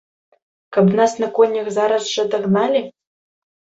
Каб нас на конях зараз жа дагналі?